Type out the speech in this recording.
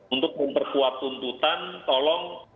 untuk memperkuat tuntutan tolong